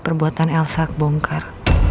perbuatan elsa kebongkar